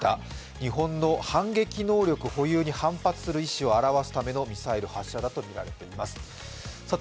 日本の反撃能力保有に反発する意思を表すためのミサイル発射だとみられています。